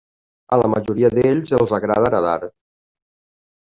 A la majoria d'ells els agrada nedar.